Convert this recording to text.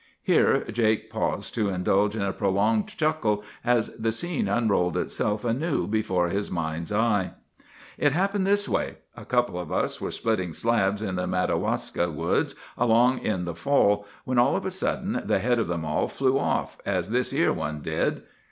"Here Jake paused to indulge in a prolonged chuckle as the scene unrolled itself anew before his mind's eye. "'It happened this way: A couple of us were splitting slabs in the Madawaska woods along in the fall, when, all of a sudden, the head of the mall flew off, as this 'ere one did.